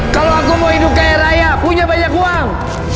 kalau aku mau hidup kaya raya punya banyak uang